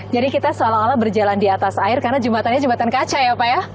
jadi kita seolah olah berjalan di atas air karena jembatannya jembatan kaca ya pak ya